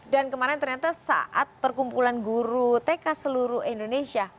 kemarin ternyata saat perkumpulan guru tk seluruh indonesia